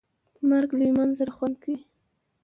مرګ له ایمان سره خوند کوي.